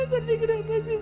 mas ardi kenapa sih